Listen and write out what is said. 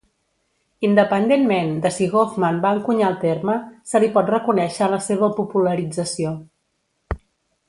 Independentment de si Goffman va encunyar el terme, se li pot reconèixer la seva popularització.